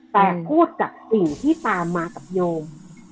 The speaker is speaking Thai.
แต่พูดกับปู่ที่ตามมากับโยม